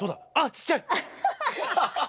ちっちゃい。